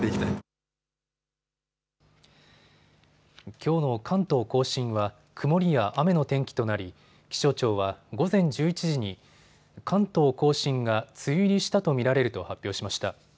きょうの関東甲信は曇りや雨の天気となり気象庁は午前１１時に関東甲信が梅雨入りしたと見られると発表しました。